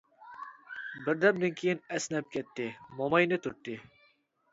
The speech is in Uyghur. بىردەمدىن كىيىن ئەسنەپ كەتتى، موماينى تۈرتتى.